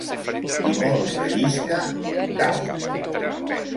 Qui molt rellisca, cau.